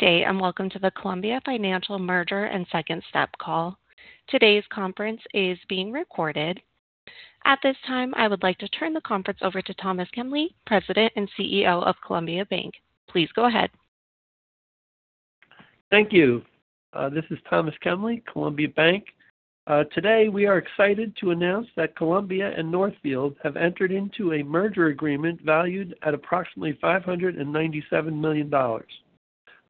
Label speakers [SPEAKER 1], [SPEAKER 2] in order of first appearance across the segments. [SPEAKER 1] Good day and welcome to the Columbia Financial Merger and Second Step Call. Today's conference is being recorded. At this time, I would like to turn the conference over to Thomas Kemly, President and CEO of Columbia Bank. Please go ahead.
[SPEAKER 2] Thank you. This is Thomas Kemly, Columbia Bank. Today we are excited to announce that Columbia and Northfield have entered into a merger agreement valued at approximately $597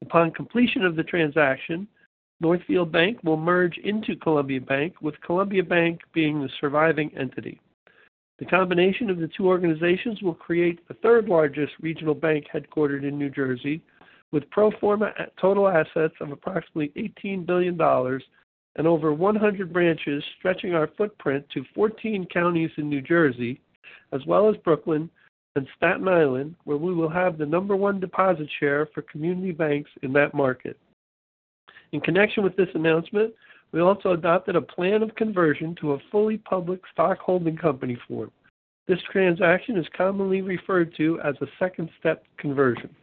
[SPEAKER 2] million. Upon completion of the transaction, Northfield Bank will merge into Columbia Bank, with Columbia Bank being the surviving entity. The combination of the two organizations will create the third-largest regional bank headquartered in New Jersey, with pro forma total assets of approximately $18 billion and over 100 branches stretching our footprint to 14 counties in New Jersey, as well as Brooklyn and Staten Island, where we will have the number one deposit share for community banks in that market. In connection with this announcement, we also adopted a plan of conversion to a fully public stockholding company form. This transaction is commonly referred to as a second step conversion.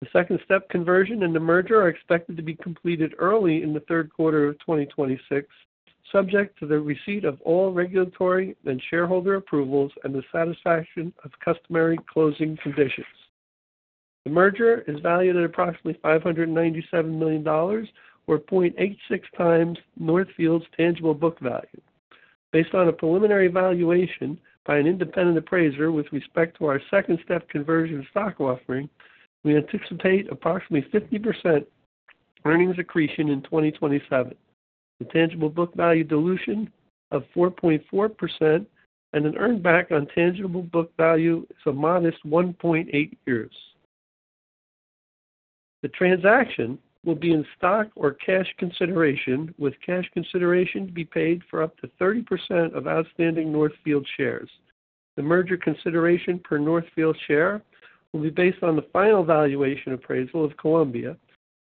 [SPEAKER 2] The second step conversion and the merger are expected to be completed early in the third quarter of 2026, subject to the receipt of all regulatory and shareholder approvals and the satisfaction of customary closing conditions. The merger is valued at approximately $597 million, or 0.86x Northfield's tangible book value. Based on a preliminary evaluation by an independent appraiser with respect to our second step conversion stock offering, we anticipate approximately 50% earnings accretion in 2027, a tangible book value dilution of 4.4%, and an earnback on tangible book value of a modest 1.8 years. The transaction will be in stock or cash consideration, with cash consideration to be paid for up to 30% of outstanding Northfield shares. The merger consideration per Northfield share will be based on the final valuation appraisal of Columbia,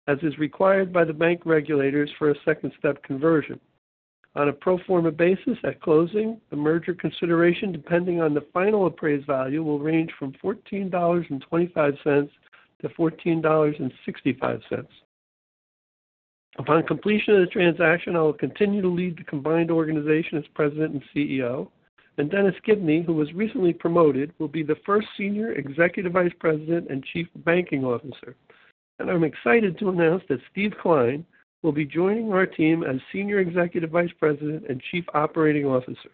[SPEAKER 2] as is required by the bank regulators for a second step conversion. On a pro forma basis, at closing, the merger consideration, depending on the final appraised value, will range from $14.25-$14.65. Upon completion of the transaction, I will continue to lead the combined organization as President and CEO, and Dennis Gibney, who was recently promoted, will be the first Senior Executive Vice President and Chief Banking Officer. I'm excited to announce that Steve Klein will be joining our team as Senior Executive Vice President and Chief Operating Officer.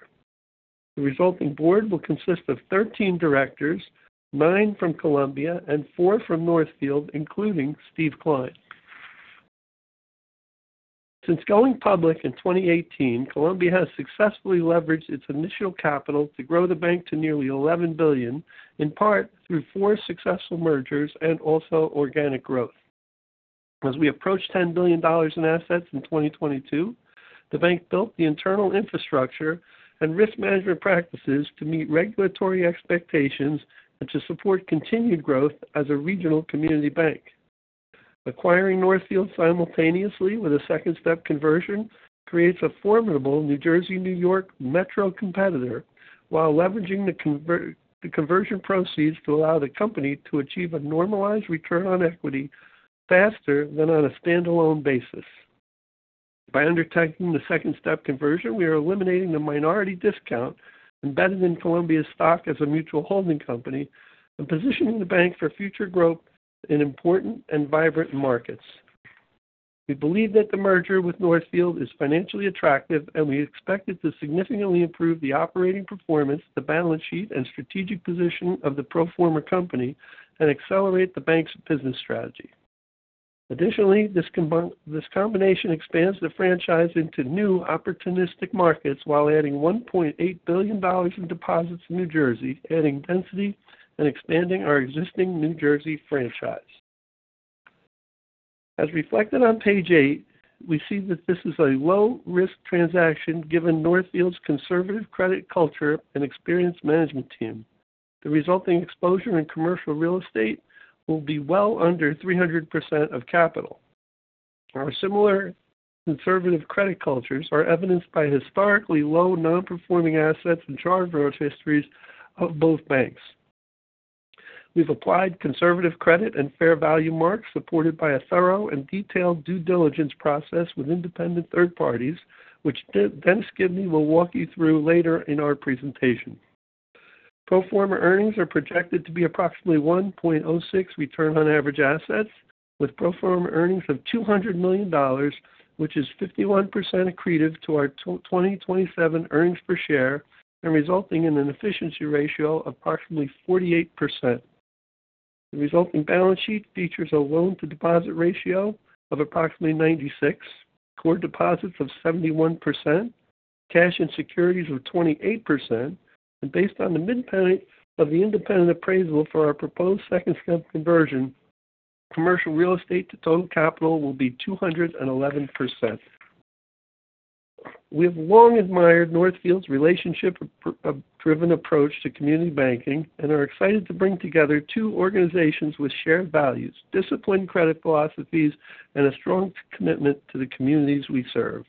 [SPEAKER 2] The resulting board will consist of 13 directors, nine from Columbia and four from Northfield, including Steve Klein. Since going public in 2018, Columbia has successfully leveraged its initial capital to grow the bank to nearly $11 billion, in part through four successful mergers and also organic growth. As we approach $10 billion in assets in 2022, the bank built the internal infrastructure and risk management practices to meet regulatory expectations and to support continued growth as a regional community bank. Acquiring Northfield simultaneously with a second step conversion creates a formidable New Jersey/New York metro competitor while leveraging the conversion proceeds to allow the company to achieve a normalized return on equity faster than on a standalone basis. By undertaking the second step conversion, we are eliminating the minority discount embedded in Columbia's stock as a mutual holding company and positioning the bank for future growth in important and vibrant markets. We believe that the merger with Northfield is financially attractive, and we expect it to significantly improve the operating performance, the balance sheet, and strategic position of the pro forma company and accelerate the bank's business strategy. Additionally, this combination expands the franchise into new opportunistic markets while adding $1.8 billion in deposits in New Jersey, adding density, and expanding our existing New Jersey franchise. As reflected on page eight, we see that this is a low-risk transaction given Northfield's conservative credit culture and experienced management team. The resulting exposure in commercial real estate will be well under 300% of capital. Our similar conservative credit cultures are evidenced by historically low non-performing assets and chartered histories of both banks. We've applied conservative credit and fair value marks supported by a thorough and detailed due diligence process with independent third parties, which Dennis Gibney will walk you through later in our presentation. Pro forma earnings are projected to be approximately 1.06% return on average assets, with pro forma earnings of $200 million, which is 51% accretive to our 2027 earnings per share and resulting in an efficiency ratio of approximately 48%. The resulting balance sheet features a loan-to-deposit ratio of approximately 96%, core deposits of 71%, cash and securities of 28%, and based on the midpoint of the independent appraisal for our proposed second step conversion, commercial real estate to total capital will be 211%. We have long admired Northfield's relationship-driven approach to community banking and are excited to bring together two organizations with shared values, disciplined credit philosophies, and a strong commitment to the communities we serve.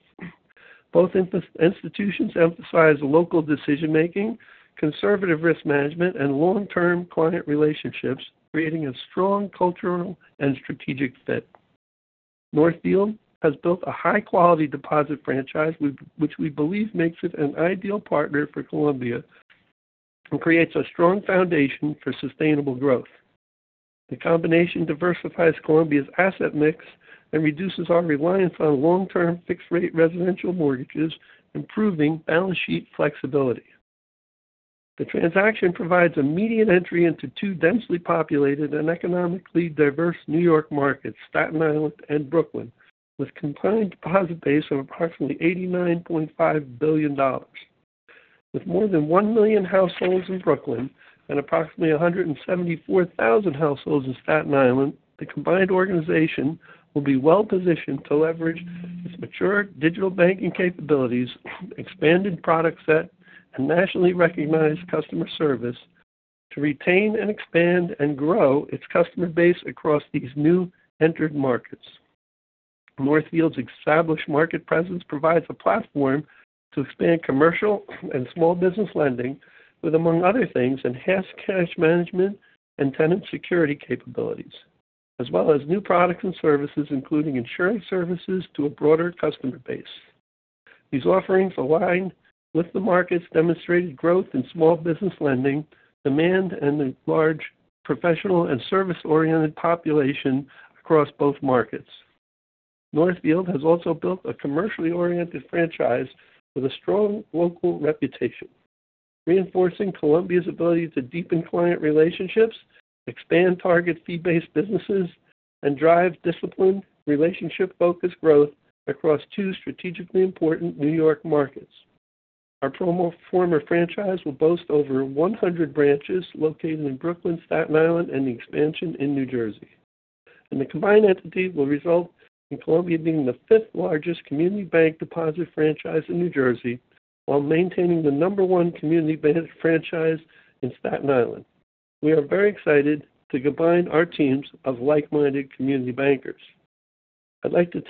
[SPEAKER 2] Both institutions emphasize local decision-making, conservative risk management, and long-term client relationships, creating a strong cultural and strategic fit. Northfield has built a high-quality deposit franchise, which we believe makes it an ideal partner for Columbia and creates a strong foundation for sustainable growth. The combination diversifies Columbia's asset mix and reduces our reliance on long-term fixed-rate residential mortgages, improving balance sheet flexibility. The transaction provides a median entry into two densely populated and economically diverse New York markets, Staten Island and Brooklyn, with a combined deposit base of approximately $89.5 billion. With more than one million households in Brooklyn and approximately 174,000 households in Staten Island, the combined organization will be well-positioned to leverage its mature digital banking capabilities, expanded product set, and nationally recognized customer service to retain, expand, and grow its customer base across these new-entered markets. Northfield's established market presence provides a platform to expand commercial and small business lending with, among other things, enhanced cash management and tenant security capabilities, as well as new products and services, including insurance services, to a broader customer base. These offerings align with the market's demonstrated growth in small business lending, demand, and the large professional and service-oriented population across both markets. Northfield has also built a commercially oriented franchise with a strong local reputation, reinforcing Columbia's ability to deepen client relationships, expand target fee-based businesses, and drive disciplined, relationship-focused growth across two strategically important New York markets. Our pro forma franchise will boast over 100 branches located in Brooklyn, Staten Island, and the expansion in New Jersey. The combined entity will result in Columbia being the fifth-largest community bank deposit franchise in New Jersey while maintaining the number one community bank franchise in Staten Island. We are very excited to combine our teams of like-minded community bankers. I'd like to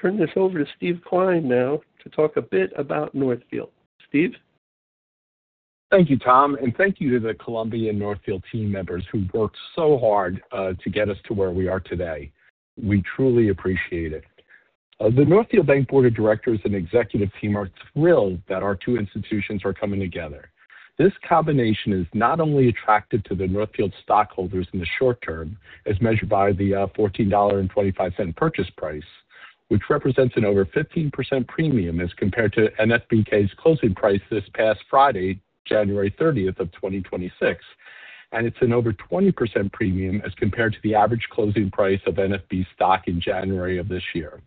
[SPEAKER 2] turn this over to Steve Klein now to talk a bit about Northfield. Steve?
[SPEAKER 3] Thank you, Tom, and thank you to the Columbia and Northfield team members who worked so hard to get us to where we are today. We truly appreciate it. The Northfield Bank Board of Directors and executive team are thrilled that our two institutions are coming together. This combination is not only attractive to the Northfield stockholders in the short term, as measured by the $14.25 purchase price, which represents an over 15% premium as compared to NFBK's closing price this past Friday, January 30th of 2026, and it's an over 20% premium as compared to the average closing price of NFB stock in January of this year.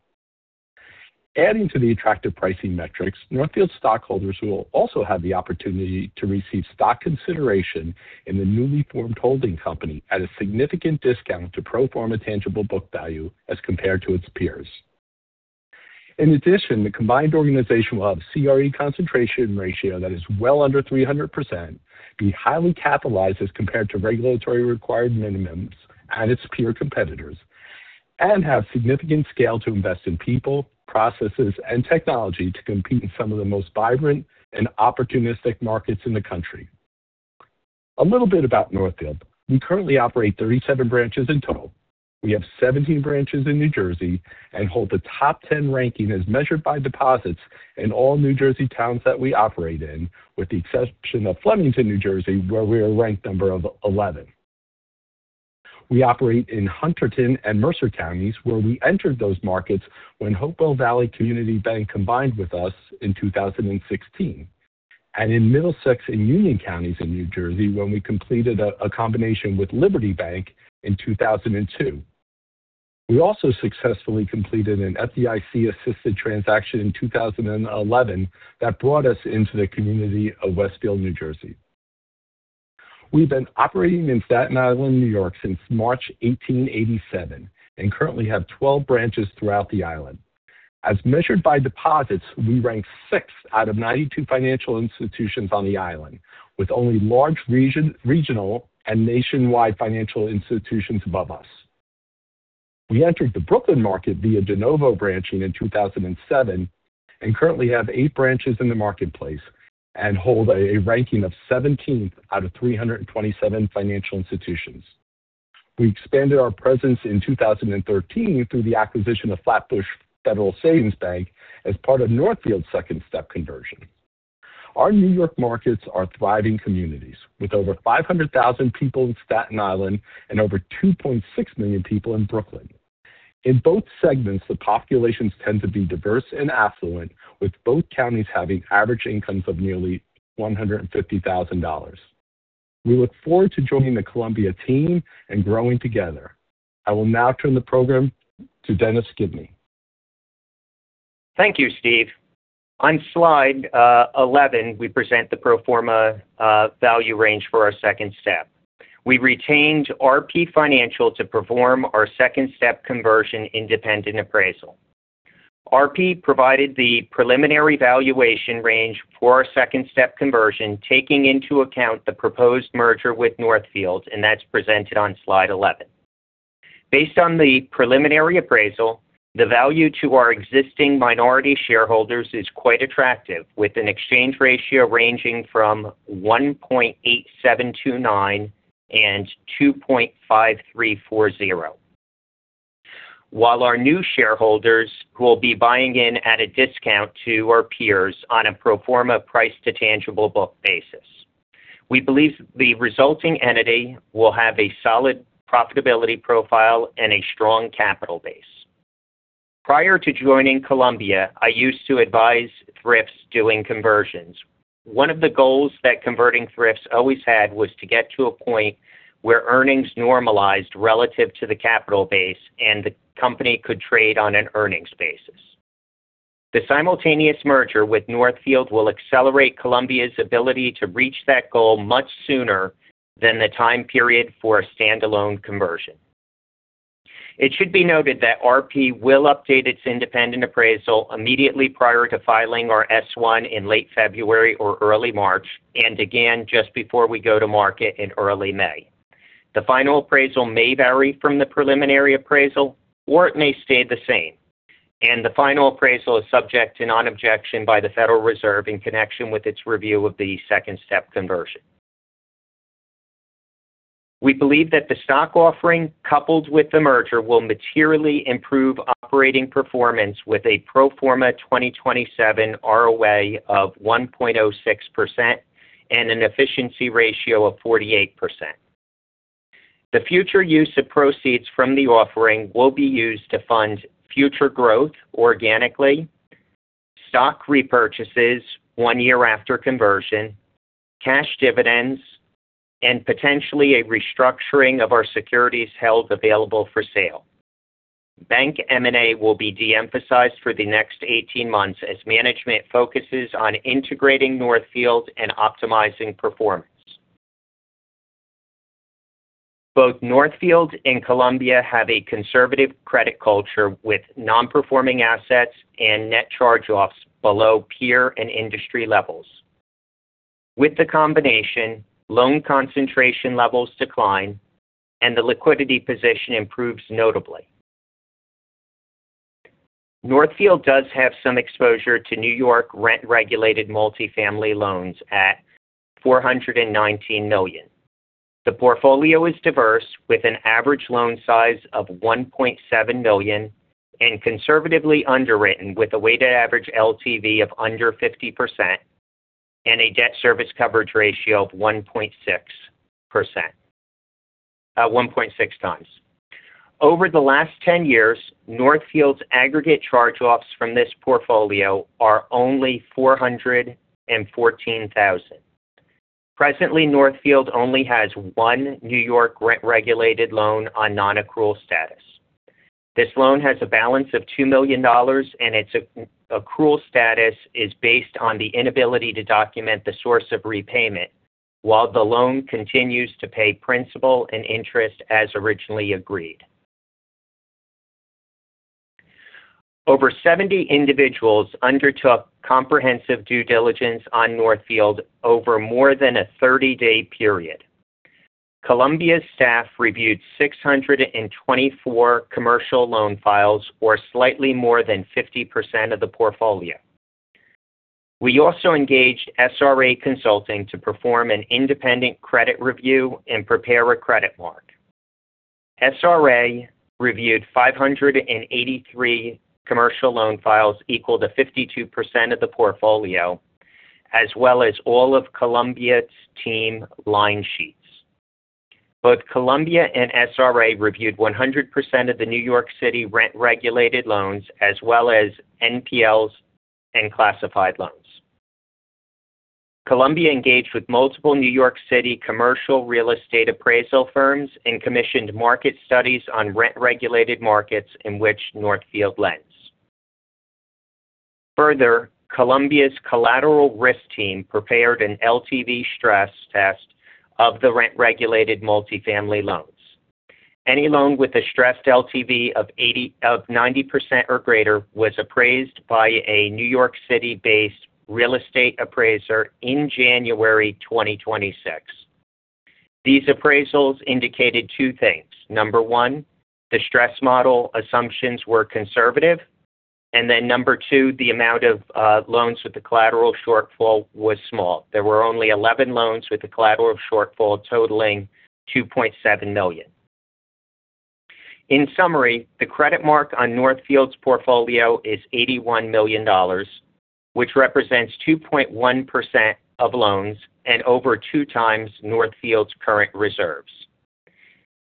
[SPEAKER 3] Adding to the attractive pricing metrics, Northfield stockholders will also have the opportunity to receive stock consideration in the newly formed holding company at a significant discount to pro forma tangible book value as compared to its peers. In addition, the combined organization will have a CRE concentration ratio that is well under 300%, be highly capitalized as compared to regulatory required minimums at its peer competitors, and have significant scale to invest in people, processes, and technology to compete in some of the most vibrant and opportunistic markets in the country. A little bit about Northfield. We currently operate 37 branches in total. We have 17 branches in New Jersey and hold the top 10 ranking as measured by deposits in all New Jersey towns that we operate in, with the exception of Flemington, New Jersey, where we are ranked number 11. We operate in Hunterdon and Mercer counties, where we entered those markets when Hopewell Valley Community Bank combined with us in 2016, and in Middlesex and Union counties in New Jersey when we completed a combination with Liberty Bank in 2002. We also successfully completed an FDIC-assisted transaction in 2011 that brought us into the community of Westfield, New Jersey. We've been operating in Staten Island, New York, since March 1887 and currently have 12 branches throughout the island. As measured by deposits, we rank sixth out of 92 financial institutions on the island, with only large regional and nationwide financial institutions above us. We entered the Brooklyn market via de novo branching in 2007 and currently have 8 branches in the marketplace and hold a ranking of 17th out of 327 financial institutions. We expanded our presence in 2013 through the acquisition of Flatbush Federal Savings Bank as part of Northfield's second step conversion. Our New York markets are thriving communities, with over 500,000 people in Staten Island and over 2.6 million people in Brooklyn. In both segments, the populations tend to be diverse and affluent, with both counties having average incomes of nearly $150,000. We look forward to joining the Columbia team and growing together. I will now turn the program to Dennis Gibney.
[SPEAKER 4] Thank you, Steve. On slide 11, we present the pro forma value range for our second step. We retained RP Financial to perform our second step conversion independent appraisal. RP provided the preliminary valuation range for our second step conversion, taking into account the proposed merger with Northfield, and that's presented on slide 11. Based on the preliminary appraisal, the value to our existing minority shareholders is quite attractive, with an exchange ratio ranging from 1.8729-2.5340, while our new shareholders will be buying in at a discount to our peers on a pro forma price-to-tangible book basis. We believe the resulting entity will have a solid profitability profile and a strong capital base. Prior to joining Columbia, I used to advise thrifts doing conversions. One of the goals that converting thrifts always had was to get to a point where earnings normalized relative to the capital base and the company could trade on an earnings basis. The simultaneous merger with Northfield will accelerate Columbia's ability to reach that goal much sooner than the time period for a standalone conversion. It should be noted that RP will update its independent appraisal immediately prior to filing our S-1 in late February or early March and again just before we go to market in early May. The final appraisal may vary from the preliminary appraisal, or it may stay the same, and the final appraisal is subject to non-objection by the Federal Reserve in connection with its review of the second step conversion. We believe that the stock offering coupled with the merger will materially improve operating performance with a pro forma 2027 ROA of 1.06% and an efficiency ratio of 48%. The future use of proceeds from the offering will be used to fund future growth organically, stock repurchases one year after conversion, cash dividends, and potentially a restructuring of our securities held available for sale. Bank M&A will be de-emphasized for the next 18 months as management focuses on integrating Northfield and optimizing performance. Both Northfield and Columbia have a conservative credit culture with non-performing assets and net charge-offs below peer and industry levels. With the combination, loan concentration levels decline, and the liquidity position improves notably. Northfield does have some exposure to New York rent-regulated multifamily loans at $419 million. The portfolio is diverse, with an average loan size of $1.7 million and conservatively underwritten with a weighted average LTV of under 50% and a debt service coverage ratio of 1.6x. Over the last 10 years, Northfield's aggregate charge-offs from this portfolio are only $414,000. Presently, Northfield only has one New York rent-regulated loan on non-accrual status. This loan has a balance of $2 million, and its accrual status is based on the inability to document the source of repayment, while the loan continues to pay principal and interest as originally agreed. Over 70 individuals undertook comprehensive due diligence on Northfield over more than a 30-day period. Columbia's staff reviewed 624 commercial loan files, or slightly more than 50% of the portfolio. We also engaged SRA Consulting to perform an independent credit review and prepare a credit mark. SRA reviewed 583 commercial loan files equal to 52% of the portfolio, as well as all of Columbia's team line sheets. Both Columbia and SRA reviewed 100% of the New York City rent-regulated loans, as well as NPLs and classified loans. Columbia engaged with multiple New York City commercial real estate appraisal firms and commissioned market studies on rent-regulated markets in which Northfield lends. Further, Columbia's collateral risk team prepared an LTV stress test of the rent-regulated multifamily loans. Any loan with a stressed LTV of 90% or greater was appraised by a New York City-based real estate appraiser in January 2026. These appraisals indicated two things. Number one, the stress model assumptions were conservative, and then number two, the amount of loans with the collateral shortfall was small. There were only 11 loans with the collateral shortfall totaling $2.7 million. In summary, the credit mark on Northfield's portfolio is $81 million, which represents 2.1% of loans and over two times Northfield's current reserves.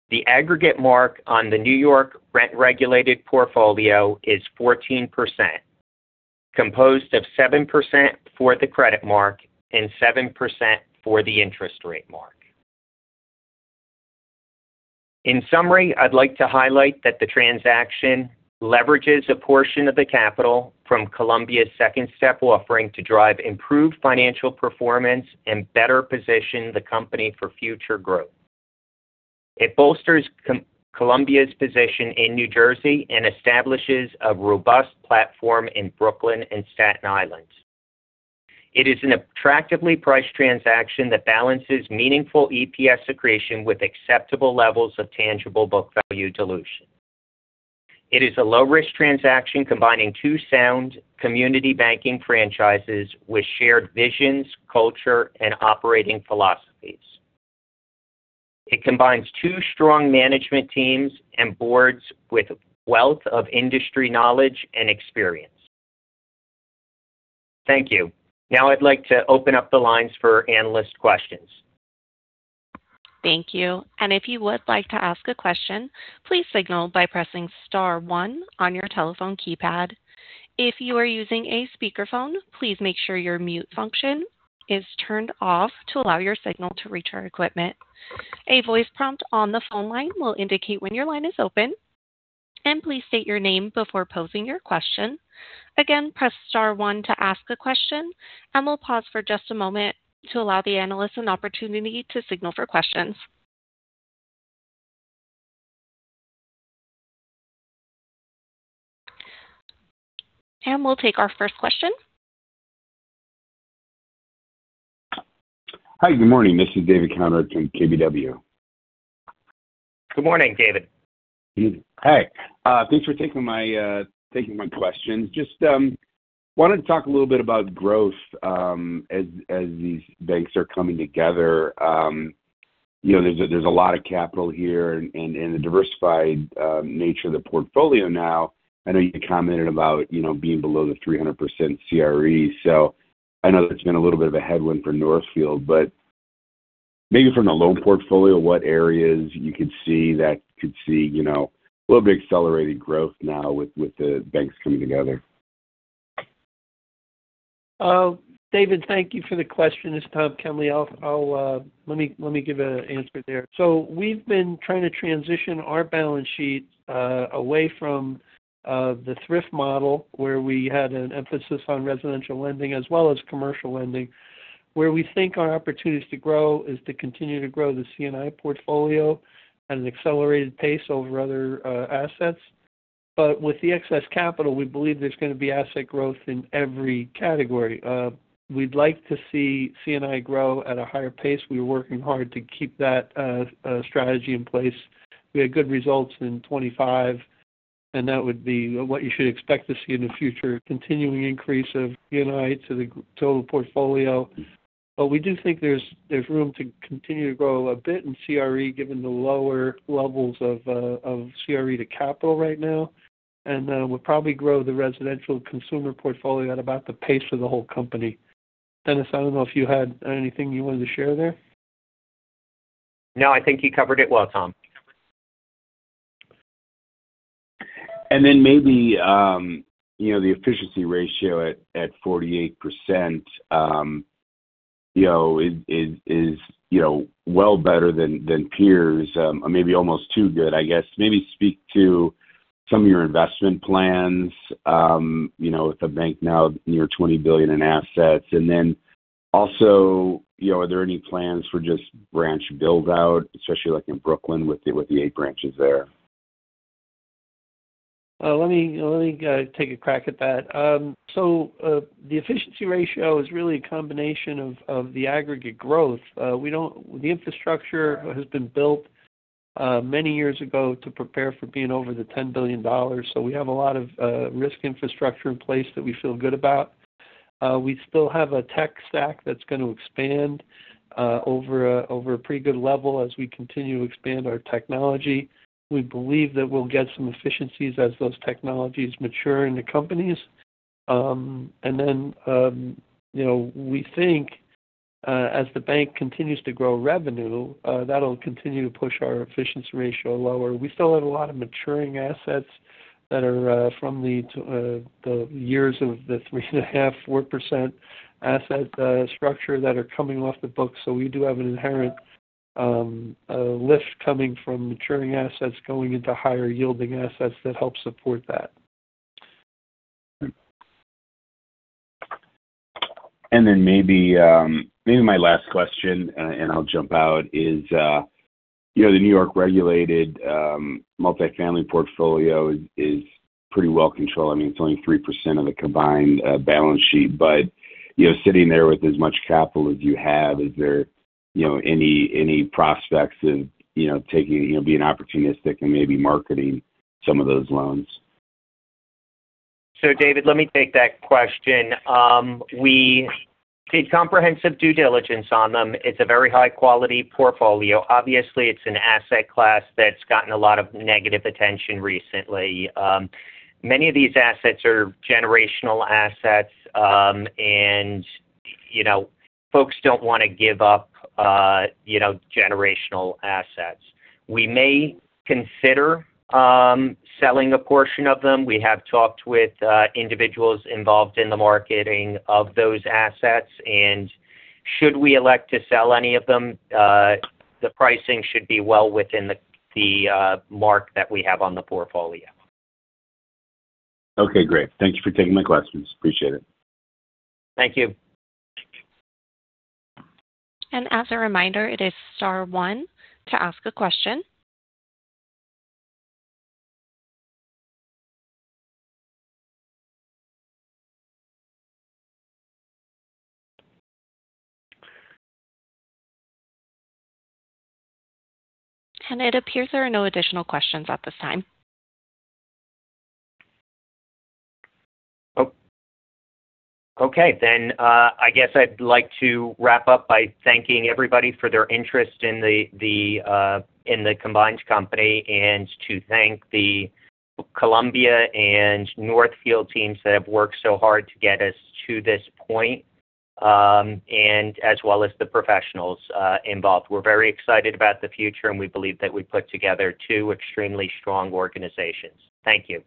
[SPEAKER 4] The aggregate mark on the New York rent-regulated portfolio is 14%, composed of 7% for the credit mark and 7% for the interest rate mark. In summary, I'd like to highlight that the transaction leverages a portion of the capital from Columbia's second step offering to drive improved financial performance and better position the company for future growth. It bolsters Columbia's position in New Jersey and establishes a robust platform in Brooklyn and Staten Island. It is an attractively priced transaction that balances meaningful EPS accretion with acceptable levels of tangible book value dilution. It is a low-risk transaction combining two sound community banking franchises with shared visions, culture, and operating philosophies. It combines two strong management teams and boards with a wealth of industry knowledge and experience. Thank you. Now I'd like to open up the lines for analyst questions.
[SPEAKER 1] Thank you. If you would like to ask a question, please signal by pressing star one on your telephone keypad. If you are using a speakerphone, please make sure your mute function is turned off to allow your signal to reach our equipment. A voice prompt on the phone line will indicate when your line is open. Please state your name before posing your question. Again, press star one to ask a question, and we'll pause for just a moment to allow the analysts an opportunity to signal for questions. We'll take our first question.
[SPEAKER 5] Hi, good morning. This is David Konrad from KBW.
[SPEAKER 4] Good morning, David.
[SPEAKER 5] Hey. Thanks for taking my questions. Just wanted to talk a little bit about growth as these banks are coming together. There's a lot of capital here and the diversified nature of the portfolio now. I know you commented about being below the 300% CRE. So I know that's been a little bit of a headwind for Northfield, but maybe from the loan portfolio, what areas you could see that could see a little bit of accelerated growth now with the banks coming together?
[SPEAKER 2] David, thank you for the question. It's Tom Kemly. Let me give an answer there. So we've been trying to transition our balance sheet away from the Thrift model, where we had an emphasis on residential lending as well as commercial lending, where we think our opportunities to grow is to continue to grow the C&I portfolio at an accelerated pace over other assets. But with the excess capital, we believe there's going to be asset growth in every category. We'd like to see C&I grow at a higher pace. We're working hard to keep that strategy in place. We had good results in 2025, and that would be what you should expect to see in the future: continuing increase of C&I to the total portfolio. But we do think there's room to continue to grow a bit in CRE given the lower levels of CRE to capital right now. We'll probably grow the residential consumer portfolio at about the pace of the whole company. Dennis, I don't know if you had anything you wanted to share there?
[SPEAKER 4] No, I think you covered it well, Tom.
[SPEAKER 5] And then maybe the efficiency ratio at 48% is well better than peers, maybe almost too good, I guess. Maybe speak to some of your investment plans with a bank now near $20 billion in assets. And then also, are there any plans for just branch buildout, especially in Brooklyn with the eight branches there?
[SPEAKER 2] Let me take a crack at that. So the efficiency ratio is really a combination of the aggregate growth. The infrastructure has been built many years ago to prepare for being over the $10 billion. So we have a lot of risk infrastructure in place that we feel good about. We still have a tech stack that's going to expand over a pretty good level as we continue to expand our technology. We believe that we'll get some efficiencies as those technologies mature in the companies. And then we think as the bank continues to grow revenue, that'll continue to push our efficiency ratio lower. We still have a lot of maturing assets that are from the years of the 3.5%-4% asset structure that are coming off the books. So we do have an inherent lift coming from maturing assets going into higher-yielding assets that help support that.
[SPEAKER 5] And then maybe my last question, and I'll jump out, is the New York-regulated multifamily portfolio is pretty well controlled. I mean, it's only 3% of the combined balance sheet. But sitting there with as much capital as you have, is there any prospects of being opportunistic and maybe marketing some of those loans?
[SPEAKER 4] So, David, let me take that question. We did comprehensive due diligence on them. It's a very high-quality portfolio. Obviously, it's an asset class that's gotten a lot of negative attention recently. Many of these assets are generational assets, and folks don't want to give up generational assets. We may consider selling a portion of them. We have talked with individuals involved in the marketing of those assets. And should we elect to sell any of them, the pricing should be well within the mark that we have on the portfolio.
[SPEAKER 5] Okay, great. Thank you for taking my questions. Appreciate it.
[SPEAKER 4] Thank you.
[SPEAKER 1] As a reminder, it is star one to ask a question. It appears there are no additional questions at this time.
[SPEAKER 4] Okay. Then I guess I'd like to wrap up by thanking everybody for their interest in the combined company and to thank the Columbia and Northfield teams that have worked so hard to get us to this point, and as well as the professionals involved. We're very excited about the future, and we believe that we put together two extremely strong organizations. Thank you.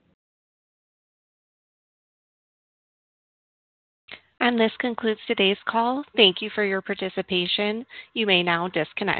[SPEAKER 1] This concludes today's call. Thank you for your participation. You may now disconnect.